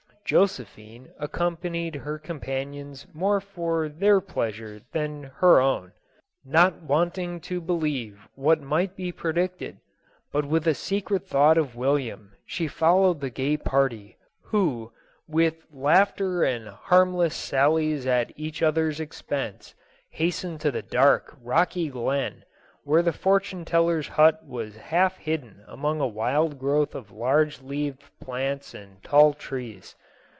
Josephine accompanied her companions more for their pleasure than her own ; not quite willing to be lieve what might be predicted, but with a secret thought of William, she followed the gay party, who, with laughter and harmless sallies at each other's expense, hastened to the dark, rocky glen, where the fortune teller's hut was half hidden among a wild growth of large leaved plants and tall trees.